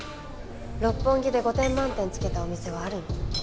六本木で５点満点つけたお店はあるの？